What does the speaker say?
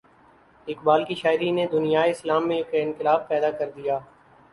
اقبال کی شاعری نے دنیائے اسلام میں ایک انقلاب پیدا کر دیا۔